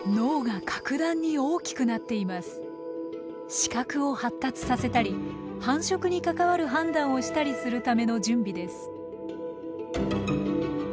視覚を発達させたり繁殖に関わる判断をしたりするための準備です。